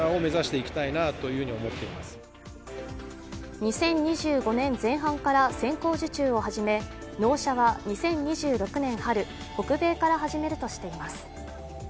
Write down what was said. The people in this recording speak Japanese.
２０２５年前半から先行受注を始め納車は２０２６年春、北米から始めるとしています。